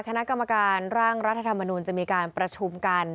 คณะกรรมการร่างรัฐธรรมนุนจะมีการประชุมกัน